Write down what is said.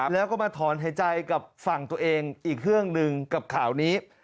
แล้วก็มาถอนหายใจกับฝั่งตัวเองอีกเรื่องหนึ่งกับข่าวนี้